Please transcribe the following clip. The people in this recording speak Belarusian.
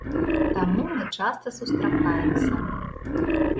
Таму мы часта сустракаемся.